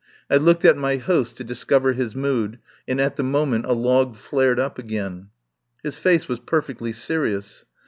I looked at my host to discover his mood, and at the moment a log flared up again. His face was perfectly serious.